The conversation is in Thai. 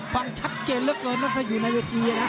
ฟังชัดเจนเหลือเกินนะครับอยู่ในวิทยาลัยนะครับ